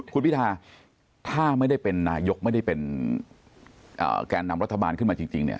คุณพิทาถ้าไม่ได้เป็นนายกไม่ได้เป็นแก่นำรัฐบาลขึ้นมาจริงเนี่ย